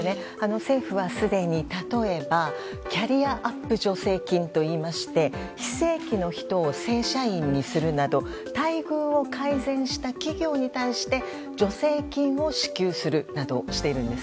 政府はすでに、例えばキャリアアップ助成金といって非正規の人を正社員にするなど待遇を改善した企業に対して助成金を支給するなどしているんです。